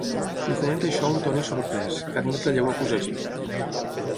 Li comenta això a un Tony sorprès, que admet la lleu acusació.